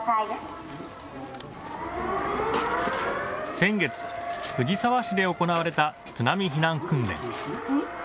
先月、藤沢市で行われた津波避難訓練。